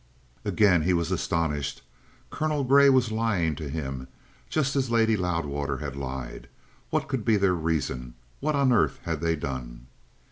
Again he was astonished. Colonel Grey was lying to him just as Lady Loudwater had lied. What could be their reason? What on earth had they done?